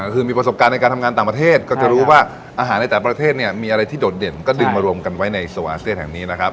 คือมีประสบการณ์ในการทำงานต่างประเทศก็จะรู้ว่าอาหารในแต่ละประเทศเนี่ยมีอะไรที่โดดเด่นก็ดึงมารวมกันไว้ในสวาอาเซียนแห่งนี้นะครับ